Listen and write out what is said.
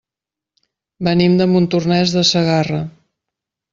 Venim de Montornès de Segarra.